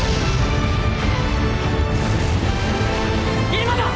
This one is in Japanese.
今だ！